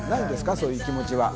そういう気持ちは。